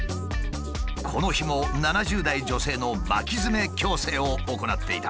この日も７０代女性の巻きヅメ矯正を行っていた。